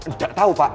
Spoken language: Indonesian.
nggak tahu pak